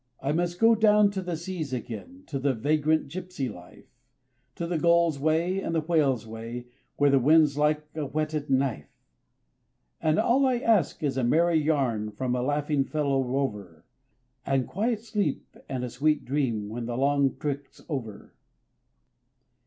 I must go down to the seas again, to the vagrant gipsy life, To the gull's way and the whale's way where the wind's like a whetted knife; And all I ask is a merry yarn from a laughing fellow rover, And quiet sleep and a sweet dream when the long trick's over.